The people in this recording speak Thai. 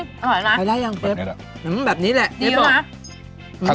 อื้มอร่านะเอามาแบบนี้แหละ